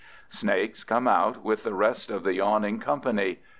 Snakes come out with the rest of the yawning company.